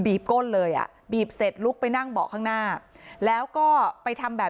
บีบก้นเลยอ่ะบีบเสร็จลุคเป็นหน้าบอกข้างหน้าแล้วก็ไปทำ